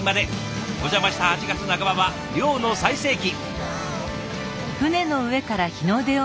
お邪魔した８月半ばは漁の最盛期。